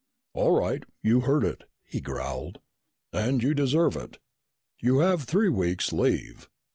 "All right, you heard it!" he growled. "And you deserve it. You have three weeks' leave.